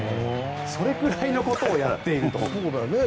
それくらいのことをやっていると。